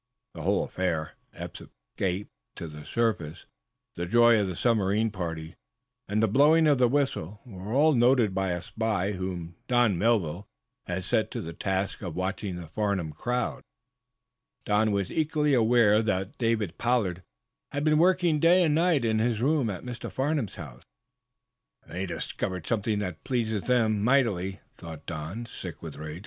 The whole affair Eph's escape to the surface, the joy of the submarine, party and the blowing of the whistle, were all noted by a spy whom Don Melville had set to the task of watching the Farnum crowd. Don was equally well aware that David Pollard had been working day and night in his room at Mr. Farnum's house. "They've discovered something that pleases them mightily," thought Don, sick with rage.